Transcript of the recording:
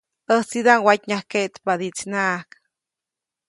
‒ʼÄjtsidaʼm watnyajkeʼtpadiʼtsinaʼajk-.